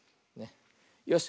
よし。